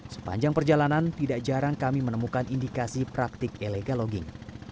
sepanjang perjalanan tidak jarang kami menemukan indikasi praktik illegal logging